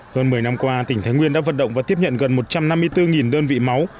hơn một mươi năm qua tỉnh thái nguyên đã vận động và tiếp nhận gần một trăm năm mươi bốn đơn vị máu